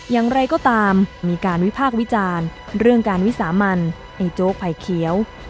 อย่างไรก็ตามมีการวิพากษ์วิจารณ์เรื่องการวิสามันในโจ๊กภัยเขียว